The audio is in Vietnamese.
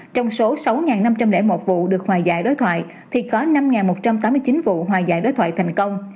trong số sáu năm trăm linh một vụ được hòa giải đối thoại thì có năm một trăm tám mươi chín vụ hòa giải đối thoại thành công